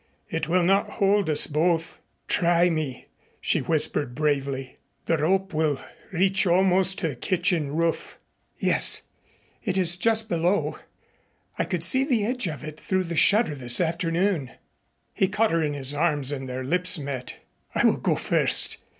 It will not hold us both." "Try me," she whispered bravely. "The rope will reach almost to the kitchen roof." "Yes, it is just below. I could see the edge of it through the shutter this afternoon." He caught her in his arms and their lips met. "I will go first.